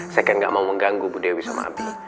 saya kan gak mau mengganggu bu dewi sama abi